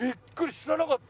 知らなかった。